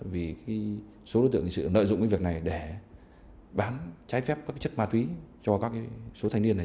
vì số đối tượng hình sự nợ dụng cái việc này để bán trái phép các chất ma túy cho các số thanh niên này